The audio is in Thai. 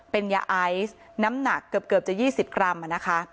เป็นยาไอซ์น้ำหนักเกือบจะ๒๐กรัมนะคะ